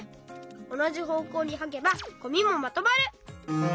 おなじほうこうにはけばゴミもまとまる！